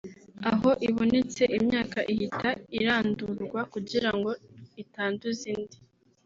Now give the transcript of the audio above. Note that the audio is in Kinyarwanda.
aho ibonetse imyaka ihita irandurwa kugira ngo itanduza indi